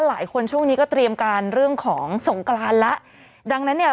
ช่วงนี้ก็เตรียมการเรื่องของสงกรานแล้วดังนั้นเนี่ย